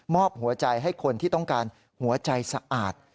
อบหัวใจให้คนที่ต้องการหัวใจสะอาด